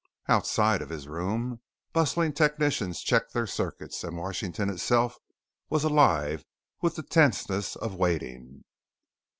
Outside of his room, bustling technicians checked their circuits and Washington itself was alive with the tenseness of waiting.